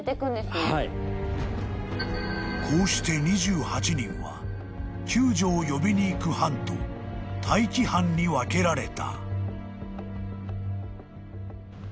［こうして２８人は救助を呼びに行く班と待機班に分けられた］